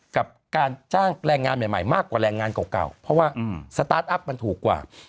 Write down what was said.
กับการจ้างแรงงานใหม่มากกว่าแรงงานเก่าเพราะว่าสตาร์ทอัพมันถูกกว่า